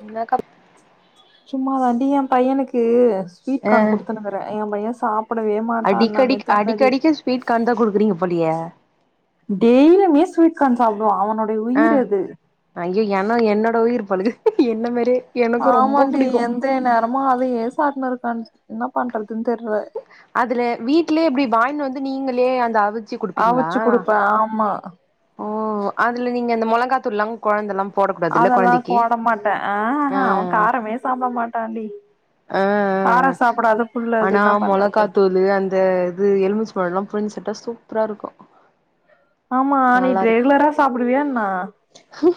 என்னக்கா சும்மா தாண்டி எ பையனுக்கு ஸ்வீட் கான் குடுத்துனுக்கிறே எ பைய சாப் அடிக்கடி அடிக்கடிக்க ஸ்வீட் கான்ந்தா குடுக்குறீங்க போலியே டெய்லிமே ஸ்வீட் கான் சாப்பிடுவா அவ ஆ ஐயோ எனோ என்னோட உயிர் போலருக்கு என்ன மாரியே எனக்கு ரொம்ப ஆமாண்டி புடிக்கு எந்த நேரமு அதயே சாப்ட்னுருக்கான் என்ன பண்றதுன் தெர்ல அதுல வீட்லயே எப்டி வாங்கினு வந்து நீங்களே அந்த அவுச்சி குடுப்பீங்ளா அவிச்சு குடுப்பே ஆமா ஓ அதுல நீங்க அந்த மொளகாத்தூள்லா கொழந்தல்ல அதெல்லா போட மாட்டே ஆ அ அ அவ காரமே சாப்பிட மாட்டாண்டி ஆ ஆ ஆ அது ஆனா என்ன பண்றது மொளகாத்தூளு அந்த இது எலுமிச்ச பழல்லா புளிஞ் சப்டா சூப்பராருக்கு ஆமா நீ ட்ரெகுலறா சாப்பிடுவியா என்ன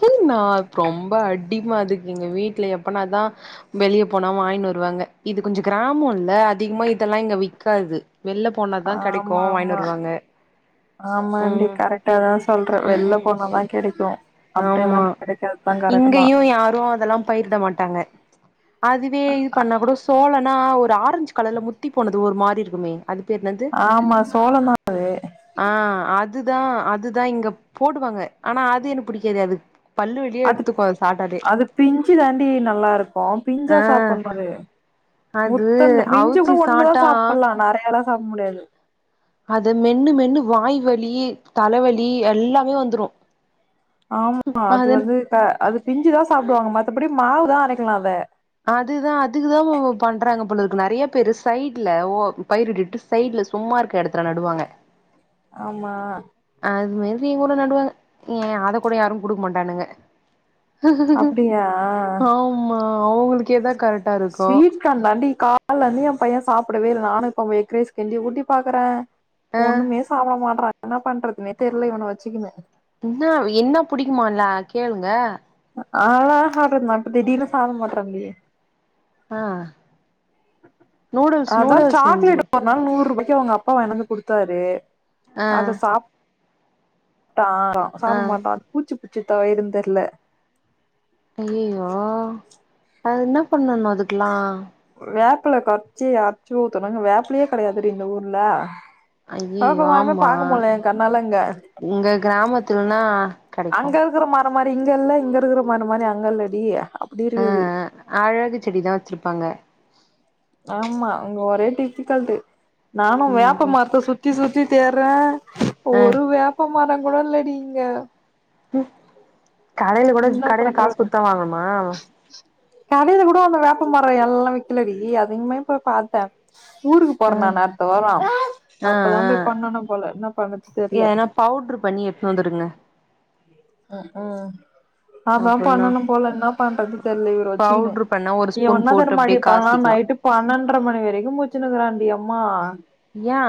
[unintelligible] நா ப்ரொம்ப அடிம்ம அதுக்கு எங்க வீட்ல எப்பனாதா வெளியே போனா வாங்கினு வருவாங்க இது கொஞ்சோ கிராமோல்ல அதிகமா இதெல்லா இங்க விக்காது வெள்ல போனாதா கெடைக்கு ஆமா வாங்கினு ஆமா வருவாங்க ஆமாண்டி ம் கரெட்டா தா சொல்றே வெள்ல ம் போனாதா கெடைக்கு அப்டியெல்லா ஆமா கெடைக்காதுதா கரெக்ட்தா இங்கையு யாரு அதெல்லா பயிரிட மாட்டாங்க அதுவே இது பண்ணா கூட சோளோனா ஒரு ஆரஞ்ச் கலர்ல முத்தி போனது ஒரு மாரி இருக்குமே அது பேர்ன்னது ஆமா சோளந்தா ஆ அ துதா அதுதா இங்க போடுவாங்க ஆனா அது எனக்கு புடிக்காது அது பல்லு வலியா அது எடுத்துக்கு சாப்ட்டாலே அது பிஞ்சி தாண்டி நல்லாருக்கு பிஞ்சா ஆ சாப்புட்ணு அது அது முத்தண்ண மிஞ்சி அவிச்சு கூட ஒன்னு தா சாப்ட்டா சாப்பிட்லா நெறையா எல்லா சாப்பிட முடியாது அத மென்னு மென்னு வாய்வலி தலவலி எல்லாமே வந்துரு ஆமா அது வந்து த அது பிஞ்சுதா சாப்பிடுவாங்க மத்தபடி மாவுதா அரைக்கலா அத அதுதா அதுக்குதா ப் ப் பண்றாங்க போலருக்கு நெறையா பேரு சைட்ல ஓ பயிர் இட்டுட்டு சைட்ல சும்மா இருக்கெடத்துல நடுவாங்க ஆமா அது மாதிரி எ கூட நடுவாங்க ஏ அத கூட யாரும் குடுக்க மாட்டானுங்க அப்டியா ஆமா அவங்களுக்கேதா கரெக்டா இருக்கு அல்ல நீயம் பைய சாப்டவே இல்ல நானு இப்ப எக் ரைஸ் கஞ்சி ஊட்டி பாக்குறே ஆ ஒண்ணுமே சாப்பட மாட்டறே என்னா பண்றதுன்னே தெரியல இவன வச்சுக்குனு என்ன என்ன புடிக்குமால கேளுங்க அழகா சாப்ட்ருந்தா இப்ப திடீனு சாப்ட மாட்டராண்டி ஆ நூடுல்ஸ் அதா நூடுல்ஸ் செஞ்சு சாக்லேட் குடு ஒரு நாள் நூறு ரூபாய் அவங்க அப்பா வாங்கினு வந்து குடுத்தாரு ஆ அத சா டா ஆ சாப்ட மாட்டா பூச்சி பூச்சி தவ இருந்தரியல ஐய்யய்யோ அது என்னப்பண்ணணு அதுக்கெல்லா வேப்பல கொறச்சி அரிச்சு ஊத்தனும்ங்க இங்க வேப்பிலையே கெடையாதுடி இந்த ஊர்ல ஐயையோ க்குமாருமே ஆமா பாக்க முல எ கண்ணாலங்க திருனா அங்க இருக்கிற மற மாரி இங்க இல்ல இங்க இருக்கிற மர மாரி அங்க இல்லடி அப்டி அ இருக்குது அழகு செடிதா வச்சிருப்பாங்க ஆமா அங்க ஒரே டிஃபிகல்ட் நானு ம் வேப்ப ம் மரத்தை சுத்தி சுத்தி தேறேன் ஆ ஒரு வேப்ப மர கூட இல்லடி இங்க ம் என்ன பண்றது கடையில கூட அந்த வெப் இப்ப மர எல்லா வக்கலடி அதிகமே போய் பாத்தே ஊருக்கு ஆ போறே நான் அடுத்த வார ஆ அப்பதா ஆ போய் பண்ணணு போல அப்ப தா போய் பண்ணனு போல என்ன பண்ணது தெரியல உட்ரு பண்ணி எடுத்ன் வந்துருங்க ம் ம் அதா அப்புன்னா பண்ணனு போல என்ன பண்றது தெரியல இவரு வச்சுக்குணு பவுட்ரு பண்ணா ஒரு இய ஸ்பூன் ஒன்னா போட்டு அப்டியே தருமாடி பலா காசிக்கலா நைட்டு பன்னெண்டரை மணி வரைக்கு மூச்சுனுக்கிறான்டி அம்மா யா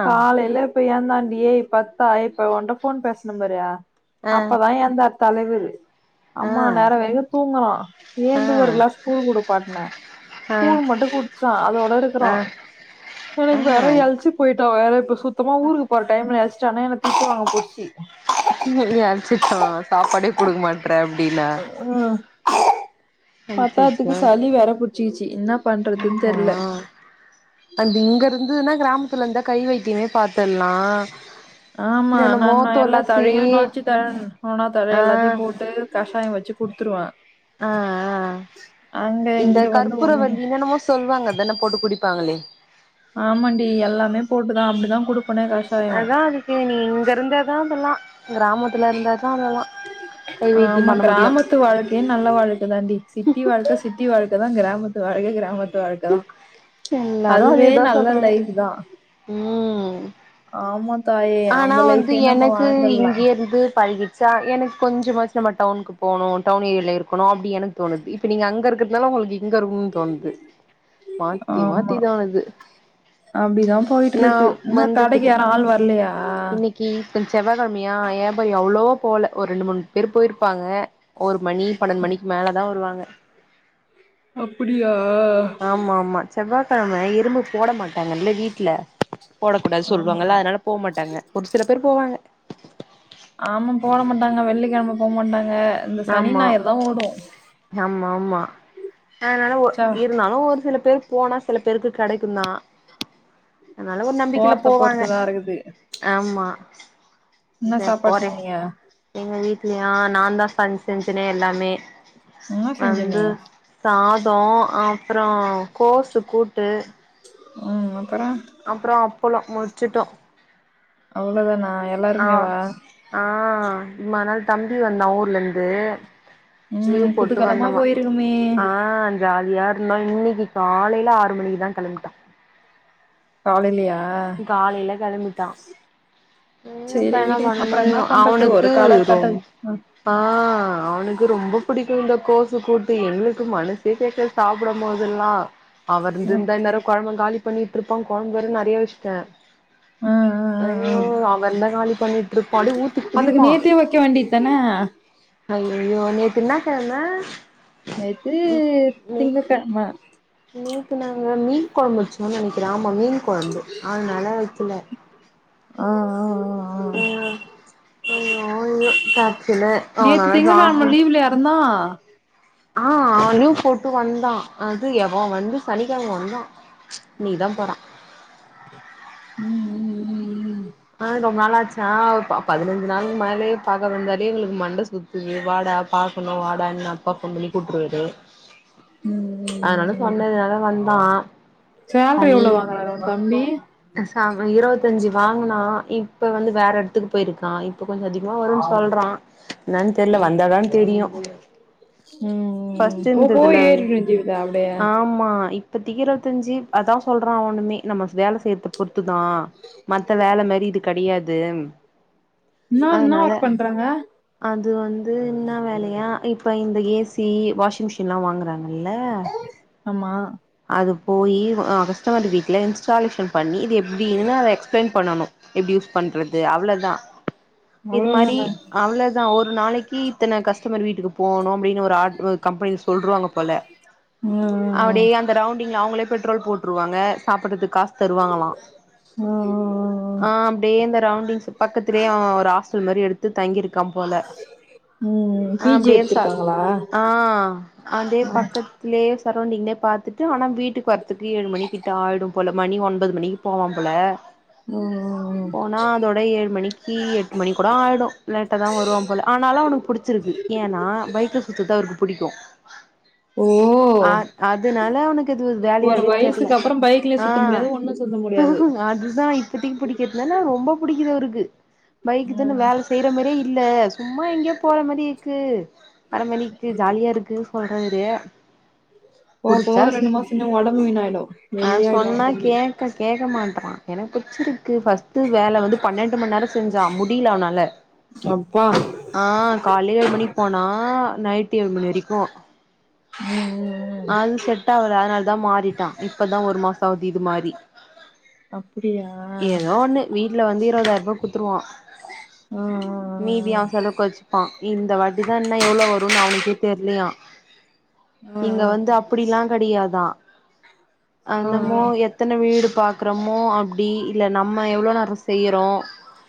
ஏந்தாே பத்தா இப்ப உ போன் பேசனே பாரு ஆ அப்பதா ஏந்தா தலைவர் ஆ அம்மா நேரவேக தூங்கறா ஆ ஏந்து ஒரு கிளாஸ் கூழ் கூடு பானே ஆ கூழ் மட்டு குடிச்சா அதோட ஆ இருக்குறா ஆ எனக்கு வேற எழுச்சு போயிட் வேற இப்ப சுத்தமா ஊருக்கு போற டைம்ல நச்சா ஆனா எனக்கு தீச வாங்க பொச்சி அயச்சுட்ட சாப்பாடே குடுக்க மாட்டற அப்படின்னா ம் பத்தாதுக்கு சளி வேற புடிச்சிச்சு என்ன பண்றதுன் தெரில அந்த இங்க இருந்துன்னா கிராமத்துலருந்தா கை வைத்தியமே பாத்துரலா ஆமா நா எல்லா தழையு நோச்சு தரே ஒனா தர ஆ எல்லாத்தையு போட்டு கஷாய வச்சு குடுத் ஆ ஆ அங்க இந்த இங்க வந்து கற்பூர ஒண்ணுமே வல்லி என்னன்னமோ சொல்லுவாங்கல போட்டு குடிப்பாங்களே ஆமாண்டி எல்லாமே போட்டுதா அப்படிதா குடுக் அதா அதுக்கு நீ இங்க இருந்ததா அதெல்லா கிராமத்துல இருந்த தா அதெல்லா கை வைத்தியம் ஆமா பண்ண முடியு கிராமத்து வாழ்க்கைய நல்ல வாழ்க்கைதாண்டி சிட்டி வாழ்க்கை சிட்டி வாழ்க்கை தா கிராமத்து வாழ்க்கை கிராமத்து வாழ்க்கைதா எல்லாரு அதுவே அதேதா நல்ல சொல்றாங்க லைஃப் தா ம் ஆ ஆனா வந்து எனக்கு வாழ்ந்துடலா இங்கருந்து பழகிட் ச எனக்கு கொஞ்சமாச்சு நம்ம டவுனுக்கு போகவனு டவுமன்ல இருக்கணு அப்படி எனக்கு தோணுது இப்போ நீங்க அங்கே இருக்கிறதுனால உங்களுக்கு இங்க இருக்கும்னு தோணுது மாத்தி மாத்திதோணுது அப்படிதா போயிட்ருக்கு இன்ன கடைக்கு கிட்ட யாரு ஆள் வரலையா இன்னைக்கு கொஞ்ச செவ்வா கெழமையா ஏ ப அவ்வளவோ போல ஒரு ரெண்டு மூணு பேர் போயிருப்பாங்க ஒரு மணி பன்னென் மணிக்கு மேலதா வருவாங்க அப்டியா ஆமா ஆமா செவ்வாய்கெழம இரும்பு போட மாட் டாங்கல்ல வீட்ல போட கூடாது ஆமா சொல்லுவாங்கல்ல அதனால போமாட்டாங்க ஒரு சில பேர் போவாங்க ஆமா போட மாட்டாங்க வெள்ளிக்கெழம போ மாட்டாங்க இந்த சனி ஆமா ஞாயிறு தா ஓடு ஆமா ஆமா அதனால ச இருந்தாலு ஒரு சில பேர் போனா சில பேருக்கு கெடைக்கு தா அதனால ஒரு நம்பிக்கைல போறத போவாங்க பொறுத்துதா இருக்குது ஆமா என்ன இதா சாப்பாடு போறே செஞ்சீங்க எங்க வீட்லயா நா தா ஃபங்க்ஷனுக்குனு எல்லாமே என்ன செஞ்ச நீ வந்து சாதோ அப்றோ கோசு கூட்டு உம் அப்பறோ அப்பளோ முடிச்சிட்டோ அவ்ளோதானா எல்லாருமே வா இம்மா நாள் தம்பி வந்தான் ஊர்ல இருந்து லீவ் ம் போட்டு புதுக்கலமா வந்தோமா போயிருக்குமே ஆஹ் ஜாலியா இன்னைக்கு காலைல ஆறு மணிக்குதா கெளம்பிட்டா காலைலியா காலைல கெளம்பிட்டா எப்ப சேரி வேணா விடு வர அப்பறோ என்ன முடியு பண்றது அவனுக்கு ஒரு கால ரொ கட்டது ம் ஆஹ் அவனுக்கு ரொம்ப புடிக்கு இந்த கோஸ் கூட்டு எங்களுக்கு மனசே கேக்கல சாப்ட போதெல்லா அவர் இந்திருந்தா இன்நேரோ கொழம்பு காலி பண்ணிட்டு இருப்பாங்க கொழம்பு வேற நெறைய வெச்சிட்ட ம் ம் ம் அவ இந்தா காலி பண்ணிட்டுருப்பா அப்டே ஊத்தி அதுக்கு குடிப்பா நேத்தே வைக்க வேண்டியதானே ஹய்யோ நேத்து என்னா கெழம நேத்து நே திங்க கெழம நேத்து நாங்க மீன் கொழம்பு வெச்சோ நெனைக்கற ஆமா மீன் கொழம்பு அதனால வைக்கல அஹ் அஹ் அஹ் ஐயோ அஹ் ஐயோ ஐயோ கட்சில அவனால நேத்து ஜா திங்கக்கெழம லீவ்லயா இருந்தா ஆஹ் அவ லீவ் போட்டு வந்தா அது எவ வந்து சனிக்கெழம வந்தா இன்னிக்கிதா போறா ம் ம் ஆஹ் ரொம்ப நாளாச் சா பதினஞ்சு நாளுக்கு மேலேயே பாக்க வந்தாலே எங்களுக்கு மண்டை சுத்து வாடா பாக்கணு வாடா எங்க அப்பா ஃபோன் பண்ணி கூட்டுருவாரு ம் அதனால ம் சொன்னதுனால வந்தா சேல்ரி ஹனி எவ்ளோ வாங்குறாரு உ தம்பி சா இரவத்தஞ்சு வாங்கனா இப்ப வந்து வேற எடத்துக்கு போயிருக்கா இப்ப கொஞ்சோ அதிகமா வரும்னு சொல்றா என்னன்னு தெரில வந்தாதா தெரியு ம் ஃபர்ஸ்ட் போக போக இருந்ததுல ஏறிடு ஜீவிதா அப்டியே ஆமா இப் இப்பதிக்கு இரவத்தஞ்சு அதா சொல்றா அவனுமே நம்ம வேல செய்றத பொறுத்துதா அந்த மாரி இது கெடையாது என்ன என்னா அதனால ஒர்க் பண்றாங்க அது வந்து என்ன வேலையா இப்ப இந்த ஏசி வாஷிங் மிஷின்ல்லா வாங்குறாங்கல்ல ஆமா அது போய் கஸ்டமர் வீட்ல இன்ஸ்டாலேஷன் பண்ணி இது எப்டினு எக்ஸ்பிளைன் பண்ணணு எப்டி பண்றது அவ்ளதா இது மாரி அவ்ளோதான அவ்ளதா ஒரு நாளைக்கு இத்தன கஸ்டமர் வீட்டுக்கு போணு அப்டின்னு ஒரு ஆர் ஒரு கம்பனி சொல்ருவாங்க போல அப்டே ம் அந்த ரவுண்டிங்ல அவுங்களே பெட்ரோல் போட் ட்ருவாங்க சாப்டறதுக்கு காசு தருவாங்களா ம் ம் ம் ம் ஆஹ் அப்டே இந்த ரவுண்டிங்ஸ் பக்கத்திலே அவ ஒரு ஹாஸ்டல் மாரி எடுத்து தங்கியிருக்கா போல ம் ம் பி அஹ் ஜி அப்டே ச எடுத்திருக்காங்களா ஆஹ் அதே ம் பக்கத்லே சரவுண்டிங்ல்லே பாத்துட்டு ஆனா வீட்டுக்கு வரத்துக்கு ஏழு மணிக்கிட்ட ஆயிடும் போல மணி ஒன்பது மணிக்கு போவா போல ம் ம் ம் போனா அதோட ஏழு மணிக்கி எட்டு மணி கூட ஆயிடு லேட்டா தா வருவான் போல ஆனாலு அவனுக்கு புடிச்சுருக் ஏனா பைக்க சுத்துது அவருக்கு புடிக்கு அ ஓ அ னால அவனக்கு இது ஒரு வேலையாவே தெர்ல வயசுக்கு அப்புறம் பைக்லயு ஆ சுத்த முடியாது ஒண்ணு சுத்த ஹு முடியாது ஹு அதுதா இப்பத்தைக்கு புடிக்கதுலல ரொம்ப பிடி [unintelligible] அவுருக்கு பைக்கு தான வேல செய்ற மாரியே இல்ல சும்மா எங்கேயோ போற மாரிக்கு வர மாரிக்கு ஜாலியா இருக்கு சொல்றாரு போக போக புடிச்சா ஸ் ரெண்டு மாசம் இன்னு ஒடம்பு வீணாயிடு ஆ வெள்ளையாயிடுவா சொன்னா தம்பி கேக்க கேக்க மாட் தமா எனக்கு புடிச்சிருக்கு பஸ்டு வேல வந்து பன்னெண்டு ம நேர செஞ்சா முடியல அவனால அப்பா ஆ காலே ஏழு மணிக்கு போனா நைட் ஏழு மணி வரைக்கு ம் ம் ம் அது செட் ஆவாது அதுனாலதா மாறிட்டா இப்பதா ஒரு மாச ஆகுது இது மாரி அப்டியா ஏதோ ஒண்ணு வீட்ல வந்து இருபதாயிர்ரூபா குத்துருவா ஆ மீதி அவ செலவுக்கு வச்சுப்பா இந்த வாட்டிதா என்ன எவ்ளோ வரும்னு அவனுக்கே தெர்யலையா ஆ ஆ இங்க வந்து அப்டிலா கிடையாதா ஆ ஆ ஆ அந்தமோ எத்தன வீடு பாக்குறோமோ அ டி இல்ல நம்ம எவ்ளோ நேர செய்யறோ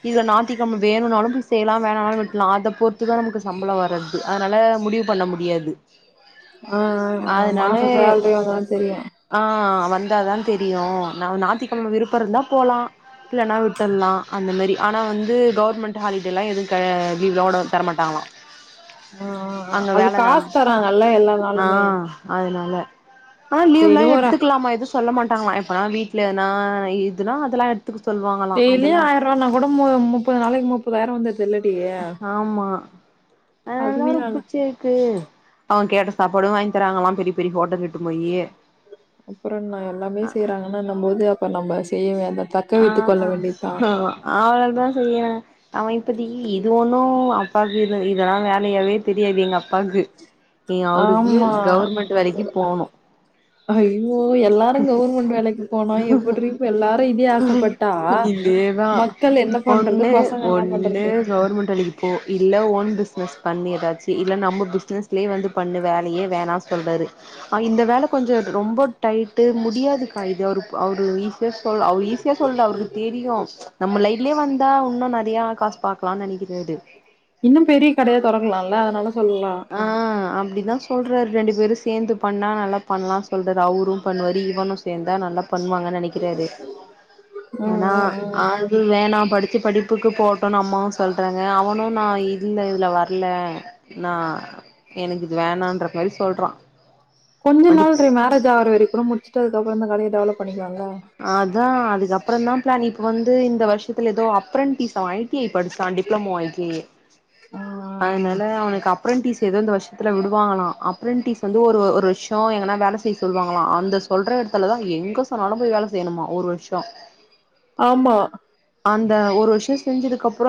இது நாத்திக்கிம வேணுனாலு பிஸ் செய்யலா வேணானாலு விட்லா அத பொறுத்துதா நமக்கு சம்பள வரது அதனால முடிவு பண்ண முடியாது ஆ ஆ மாச அதுனாலயே சேலரி வந்தாதா தெரியு ஆ ஆ வந்தாதா தெரியு ந நாத்திக்கிழம விருப்ப இருந்தா போலா இல்லனா விட்டற்லா அந்த மாரி ஆனா வந்து கவர்மெண்ட் ஹாலிடே எல்லா எது க லீவ்லோட தரமாட்டாங்ளா ஆ ஆ ஆ அது காசு தராங்கல்ல எல்லா நாலுமே அதுனால ஆனா லீவ்ல்லா எடுத்துக்கலாமா எது ஸ் சொல்ல மாட்டாங்களா எப்பனா வீடல எனா இதெல்லா அதெல்லா எ டெய்லியு ஆயிர ரபானா கூட மு முப்பது நாளைக்கு முப்பதாயிர வந்துர்தில்லடி அ லாரு பூச்சி இருக்கு அவன் கேட் சாப்பாடு வாங்கி தராங்கலா பெரிய பெரிய ஹோட்டல் இட்டு போயி அப்புற என்ன எல்லாமே செய்யறாங்கன்னும் போது அப்ப நம்ப செய்யவே அ ஆ ஆ அவள தா செய்யற அவன் இப்பதிக்கி இது ஒண்ணு அப்பாக்கு இது இதெல்லா வேலையாவே தெரியாது எங்க அப்பாக்கு நீ அவருக்கு ஆமா கவர்மெண்ட் வேலைக்கி போனு ஹய்யோ எல்லாரு கவுர்மெண்ட் வேலைக்கு போனா எப்டிரி எல்லாரும இதயே ஆசப்பட்டா இதேதா மக்கள் என்ன பண்றது பசங்க என்ன ன்னு பண்றது கவர்மெண்ட் வேலைக்கு போ இல்ல ஒ ன் பிசினஸ் பண்ணி ஏதாச்சு இல்ல நம்ம பிசினஸ்லயே வந்து பண்ண வேலையே வேணா சொல்றாரு அ இந்த வேல கொஞ்ச ரொம்ப டைட்டு முடியாது கா இ [unintelligible] அவரு அவரு ஈசியா சொல் அவர் ஈசியா சொல்ல அவருக்கு தெரியு நம்ம லைப் துலையே வந்தா இன்னு நிறைய காசு பாக்கலானு நினக்கிது இது ன அதனால சொல்லலா ஆ அப்டிதா சொல்றாரு ரெண்டு பேரும் சேந்து பண்ணா நல்லா பண்ணலா சொல்றாரு அவரு பண்ணுவாரு இவனும் சேந்தா நல்லாப் பண்வாங்க நினைக்கிறாரு ம் ஆனா ம் ம் அது வேணா படி த்தி படிப்புக்கு போட்டுன்னு அம்மாவு சொல்றாங்க அவனு நான் இல்ல இதுல வரல நா எனக்கு இது வேணான்ற மாரி சொல்றா கொஞ்ச நாள் வண்டிப் ட்ரி மேரேஜ் ஆகுற வரை கூட முடிச்சுடு அதுக்கப்ற இந்த கடைய டெவலப் பண்ணிக்லா அதா அதுக்கப்புற தா பிளான் இப்ப வந்து இந்த வருஷத்துல ஏதோ அப்றன்டீஸ் அவ ஆயிட் டிஐ படுச்சா டிப்ளமோ ஐடிஐ ஆ அதனால அவனுக்கு அப் அப்ரன்டீஸ் ஏதோ இந்த வருஷத்து விடுவாங்களா அப்ரன்டீஸ் வந்து ஒரு ஒரு வருஷ எங்கானா வேலை செய்ய சொல்லுவாங்களாம் அந்த சொல்ற இடத்துலதா எங்க சொன்னாலு போய் வேலை செய்யணுமா ஒரு வருஷ ஆம்மா அந்த ஒரு வர்ஷ செஞ்சதுக்கப்ற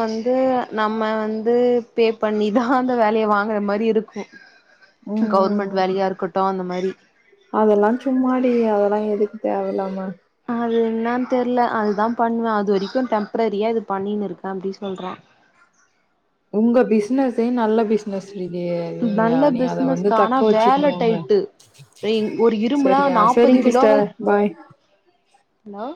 வந்து நம்ம வந்து பே பண்ணிதா அந்த வேலைய வாங்கற மாரி இருக்கு ம் கவுர்மெண்ட் வேலையாருக்கட்டு அந்த மாரி அதெல்லாஞ் சும்மாடி அதெலா எதுக்கு தேவலாம அது என்னான் தெர்ல அதுதா பண்ணுவே அது வரிக்கு டெம்ப்ரரியா இது பண்ணினுருக்கே அப்டின சொல்றா உங்க பிஸ்னஸே நல்ல பிஸ்னஸ் ச்சிரிதே நல்ல நீ அத வந்து பிசினஸ்க்கா தக்க ஆனா வேல வச்சுக்குவோங்க டைட்டு ஒரு இரும்புலா செரியா நாப்பது செரிங்க கிலோவு சிஸ்டர் பாய் ஹலோ